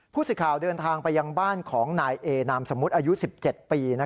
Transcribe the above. ผู้สื่อข่าวเดินทางไปยังบ้านของนายเอนามสมมุติอายุ๑๗ปี